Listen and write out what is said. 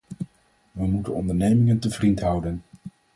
We moeten ondernemingen te vriend houden.